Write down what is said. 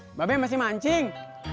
mbak ben masih mancing